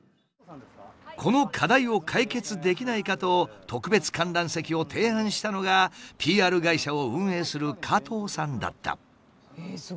この課題を解決できないかと特別観覧席を提案したのがＰＲ会社を運営する加藤さんだった。